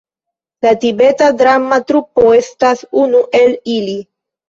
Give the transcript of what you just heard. La Tibeta Drama Trupo estas unu el ili.